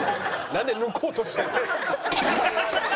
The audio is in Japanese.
なんで抜こうとしてんだ。